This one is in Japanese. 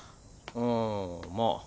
うんまあ。